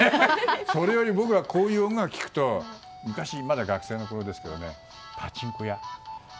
それより僕はこういう音楽聴くと学生のころですがパチンコ屋。